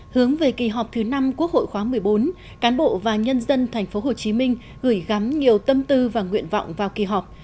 hướng về kỳ họp thứ năm quốc hội khóa một mươi bốn cán bộ và nhân dân tp hcm gửi gắm nhiều tâm tư và nguyện vọng vào kỳ họp